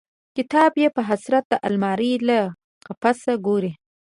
کتاب یې په حسرت د المارۍ له قفس ګوري